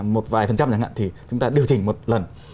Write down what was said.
một vài phần trăm chẳng hạn thì chúng ta điều chỉnh một lần